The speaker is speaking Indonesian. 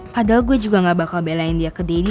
padahal gue juga gak bakal belain dia ke dini